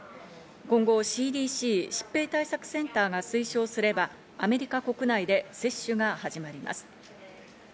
今後、ＣＤＣ＝疾病対策センターが推奨すれば、アメリカ国内で接種が始まります。